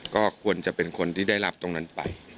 ก็ควรจะเป็นคนที่ได้รับตรงนั้นไป